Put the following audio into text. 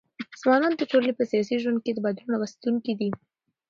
ځوانان د ټولني په سیاسي ژوند ګي د بدلون راوستونکي دي.